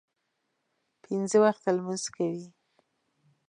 پنځه وخته لمونځ کوي.